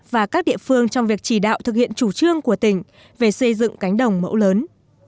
và các địa phương trong việc chỉ đạo thực hiện chủ trương của tỉnh về xây dựng cánh đồng mẫu lớn